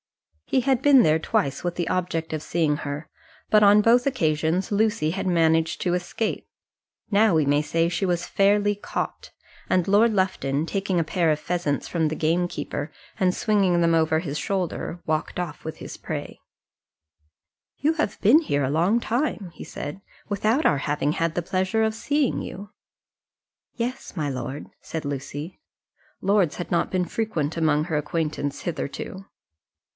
He had been there twice with the object of seeing her, but on both occasions Lucy had managed to escape. Now we may say she was fairly caught, and Lord Lufton, taking a pair of pheasants from the gamekeeper, and swinging them over his shoulder, walked off with his prey. [Illustration: Lord Lufton and Lucy Robarts.] "You have been here a long time," he said, "without our having had the pleasure of seeing you." "Yes, my lord," said Lucy. Lords had not been frequent among her acquaintance hitherto.